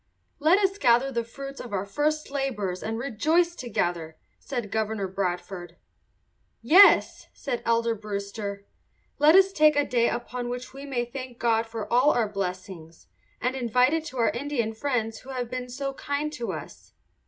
"Let us gather the fruits of our first labours and rejoice together," said Governor Bradford. "Yes," said Elder Brewster, "let us take a day upon which we may thank God for all our blessings, and invite to it our Indian friends who have been so kind to us."